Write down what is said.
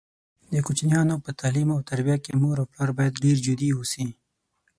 د کوچینیانو په تعلیم او تربیه کې مور او پلار باید ډېر جدي اوسي.